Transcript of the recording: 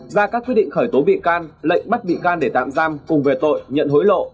ra các quyết định khởi tố bị can lệnh bắt bị can để tạm giam cùng về tội nhận hối lộ